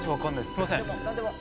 すいません。